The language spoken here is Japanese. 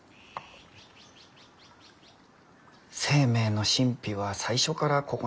生命の神秘は最初からここにある。